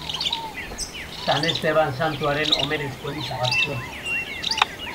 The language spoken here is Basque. San Esteban santuaren omenezko eliza bat zuen.